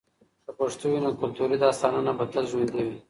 که پښتو وي، نو کلتوري داستانونه به تل ژوندۍ وي.